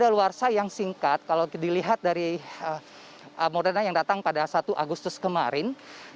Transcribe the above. daluarsa yang singkat kalau dilihat dari moderna yang datang pada satu agustus kemarin